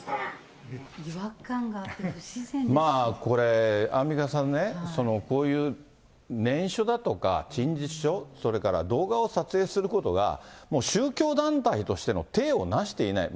まあこれ、アンミカさんね、こういう念書だとか、陳述書、動画を撮影することが、もう宗教団体としての体をなしていない。